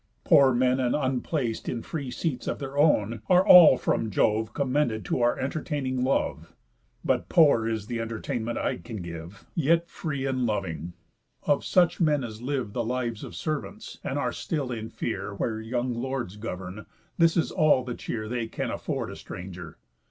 Poor men, and unplac'd In free seats of their own, are all from Jove Commended to our entertaining love. But poor is th' entertainment I can give, Yet free and loving. Of such men as live The lives of servants, and are still in fear Where young lords govern, this is all the cheer They can afford a stranger.